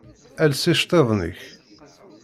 Els iceṭṭiḍen-ik!